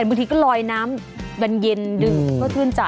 บางทีก็ลอยน้ำวันเย็นดึงก็ชื่นจ่าย